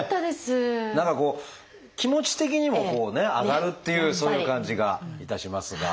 何かこう気持ち的にも上がるっていうそういう感じがいたしますが。